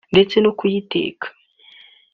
ndetse no kuyiteka